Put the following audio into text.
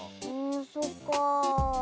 そっかあ。